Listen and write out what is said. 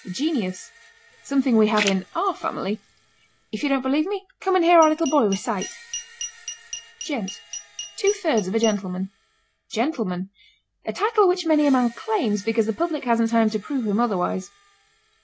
GENIUS. Something we have in our family if you don't believe me, come and hear our little boy recite. GENT. Two thirds of a gentleman. GENTLEMAN. A title which many a man claims because the public hasn't time to prove him otherwise.